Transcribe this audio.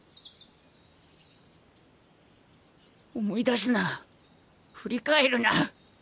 思い出すな振り返るな